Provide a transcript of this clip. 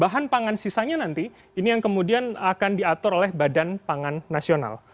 bahan pangan sisanya nanti ini yang kemudian akan diatur oleh badan pangan nasional